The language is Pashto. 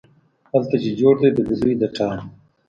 هلته چې جوړ دی د بوډۍ د ټال،